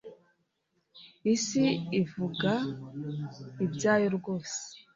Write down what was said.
isi ivuga ibyayo rwose: